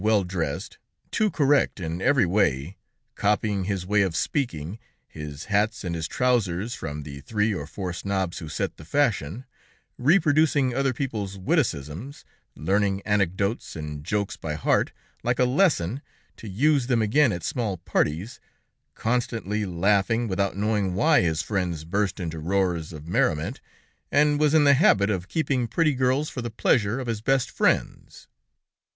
] Always studiedly well dressed, too correct in every way, copying his way of speaking, his hats and his trousers from the three or four snobs who set the fashion, reproducing other people's witticisms, learning anecdotes and jokes by heart, like a lesson, to use them again at small parties, constantly laughing, without knowing why his friends burst into roars of merriment, and was in the habit of keeping pretty girls for the pleasure of his best friends.